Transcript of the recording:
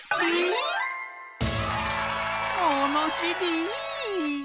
ものしり！